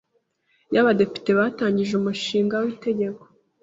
ry Abadepite batangije umushinga w itegeko